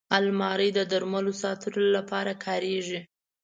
الماري د درملو ساتلو لپاره کارېږي